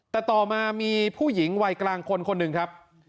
แต่ต่อมามีผู้หญิงวัยกลางคนคนหนึ่งครับ